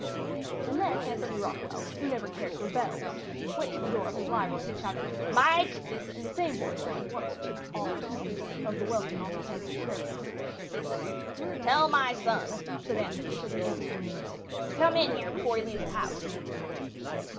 And then Anthony Rockwall, who never cared for bells, went to the door of his library and shouted "Mike!" in the same voice that had once chipped off pieces of the welkin on the Kansas prairies. "Tell my son," said Anthony to the answering menial, "to come in here before he leaves the house."